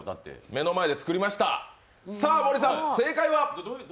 目の前で作りました、さあ森さん、正解は？